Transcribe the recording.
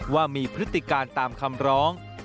ว่ามีพฤติการตามคำร้อง